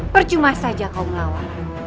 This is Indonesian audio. percuma saja kau ngawal